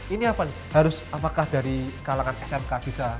ini apa nih harus apakah dari kalangan smk bisa